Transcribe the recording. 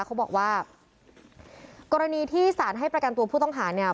เขาบอกว่ากรณีที่สารให้ประกันตัวผู้ต้องหาเนี่ย